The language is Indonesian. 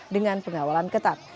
dengan pengawalan ketat